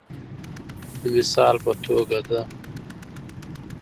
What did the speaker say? د مثال په توګه د